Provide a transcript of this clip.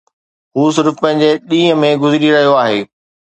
هو صرف پنهنجي ڏينهن ۾ گذري رهيو آهي